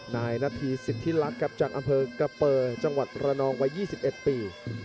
นายนาภีสิทธิลักษณ์ครับจากอำเภอกระเป๋อจังหวัดระนองวัยยี่สิบเอ็ดปี